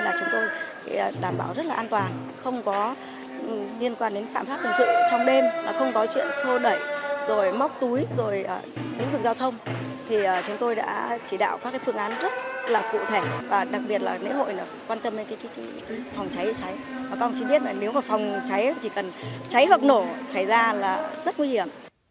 và công chí biết nếu phòng cháy chỉ cần cháy hoặc nổ xảy ra là rất nguy hiểm